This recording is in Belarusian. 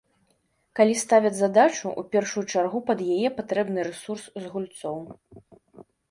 Калі ставяць задачу, у першую чаргу пад яе патрэбны рэсурс з гульцоў.